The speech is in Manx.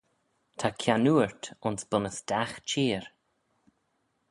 Ta kiannoort ayns bunnys dagh çheer.